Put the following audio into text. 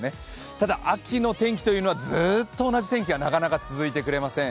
ただ、秋の天気というのはずっと同じ天気はなかなか続いてくれません。